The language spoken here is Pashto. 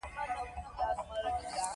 ورور د کور شریکه ستنه ده.